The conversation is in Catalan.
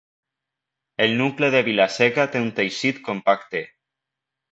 El nucli de Vila-seca té un teixit compacte.